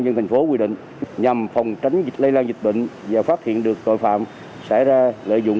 dân thành phố quy định nhằm phòng tránh lây lan dịch bệnh và phát hiện được cội phạm xảy ra lợi dụng